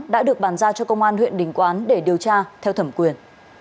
đã được bàn ra cho công an huyện định quán để điều tra theo thẩm quyền